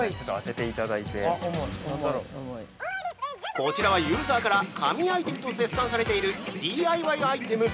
◆こちらは、ユーザーから神アイテムと絶賛されているＤＩＹアイテム！